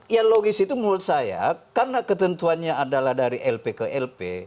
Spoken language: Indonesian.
ya logis itu menurut saya karena ketentuannya adalah dari lp ke lp